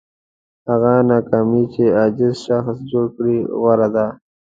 هغه ناکامي چې عاجز شخص جوړ کړي غوره ده.